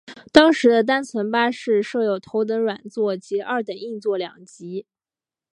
当时的单层巴士设有头等软座及二等硬座两级。